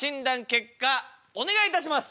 結果お願いいたします！